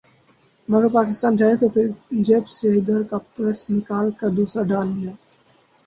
مگر پاکستان جائیں تو پھر جیب سے ادھر کا پرس نکال کر دوسرا ڈال لیا